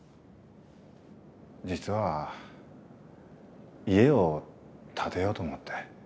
実は家を建てようと思って。